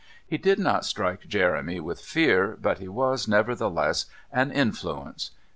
He did not strike Jeremy with fear, but he was, nevertheless, an influence.